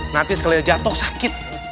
nanti sekali jatuh sakit